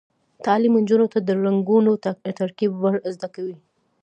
تعلیم نجونو ته د رنګونو ترکیب ور زده کوي.